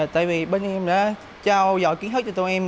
tại vì bên em đã trao dõi kiến thức cho tụi em